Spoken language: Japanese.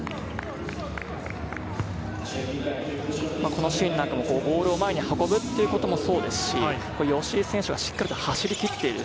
このシーンもボールを前に運ぶということもそうですし、吉井選手がしっかりと走りきっている。